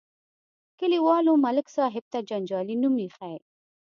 کلیوالو ملک صاحب ته جنجالي نوم ایښی.